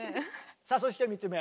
さあそして３つ目。